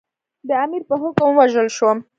د امیر په حکم ووژل شوم.